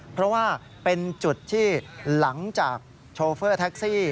เพราะว่าเป็นจุดที่หลังจากโชเฟอร์แท็กซี่